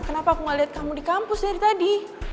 kenapa aku nggak liat kamu di kampus dari tadi